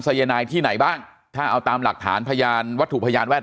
สายนายที่ไหนบ้างถ้าเอาตามหลักฐานพยานวัตถุพยานแวด